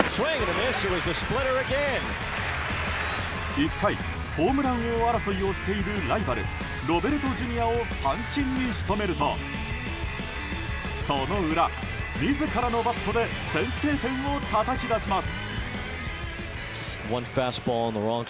１回ホームラン王争いをしているライバル、ロベルトＪｒ．を三振に仕留めるとその裏、自らのバットで先制点をたたき出します。